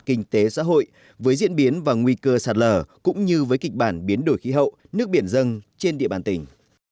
kinh tế xã hội với diễn biến và nguy cơ sạt lở cũng như với kịch bản biến đổi khí hậu nước biển dân trên địa bàn tỉnh